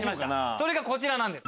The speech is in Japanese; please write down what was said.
それがこちらなんです。